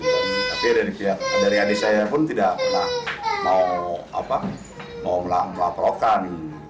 tapi dari adik saya pun tidak pernah mau melaporkan